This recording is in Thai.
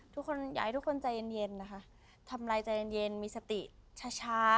ทุกคนอยากให้ทุกคนใจเย็นนะคะทำลายใจเย็นมีสติช้า